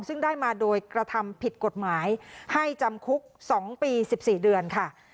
ซึ่งได้มาโดยกระทำผิดกฎหมายให้จำคุก๒ปี๑๔เดือนค่ะ